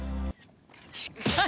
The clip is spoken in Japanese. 近い。